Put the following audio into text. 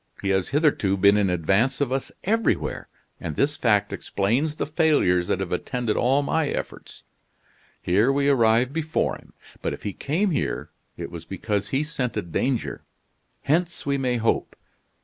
He has hitherto been in advance of us everywhere, and this fact explains the failures that have attended all my efforts. Here we arrive before him. But if he came here, it was because he scented danger. Hence, we may hope.